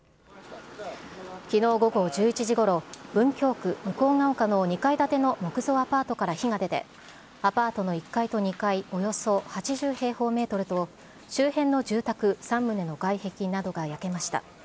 きのう午後１１時ごろ、文京区向丘の２階建ての木造アパートから火が出て、アパートの１階と２階およそ８０平方メートルと周辺の住宅３棟の外壁などが焼けました。